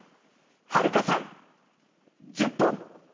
はるかさん１０本。